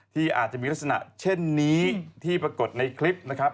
ที่อาจจะมีลักษณะเช่นนี้ที่ปรากฏในคลิปนะครับ